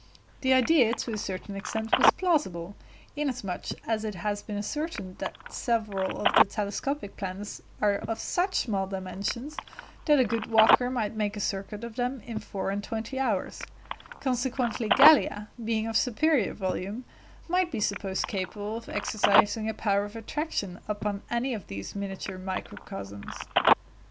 The idea to a certain extent was plausible, inasmuch as it has been ascertained that several of the telescopic planets are of such small dimensions that a good walker might make a circuit of them in four and twenty hours; consequently Gallia, being of superior volume, might be supposed capable of exercising a power of attraction upon any of these miniature microcosms.